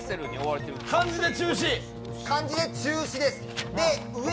漢字で中止です。